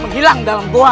menghilang dalam buah